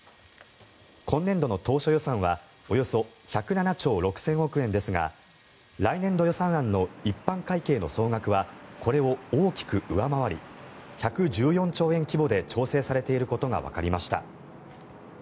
今年度の当初予算はおよそ１０７兆６０００億円ですが来年度予算案の一般会計の総額はこれを大きく上回り１１４兆円規模で調整されていることがわかりました。